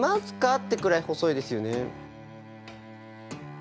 ってくらい細いですよね。